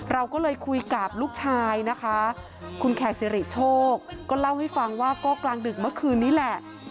เราก็เลยคุยกับลูกชายนะคะคุณแขกสิริโชคก็เล่าให้ฟังว่าก็กลางดึกเมื่อคืนนี้แหละ